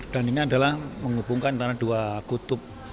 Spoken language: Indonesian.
dan ini adalah menghubungkan antara dua kutub